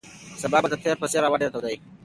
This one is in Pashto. سبا به د تېر په څېر هوا ډېره توده وي.